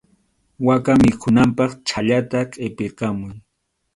Waka mikhunanpaq chhallata qʼipirqamuy.